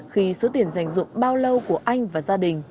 khi số tiền dành dụng bao lâu của anh và gia đình